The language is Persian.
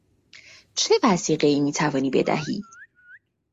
چه وثیقهای میتوانی بدهی؟